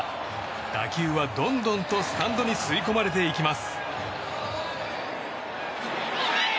打球はどんどんとスタンドに吸い込まれていきます。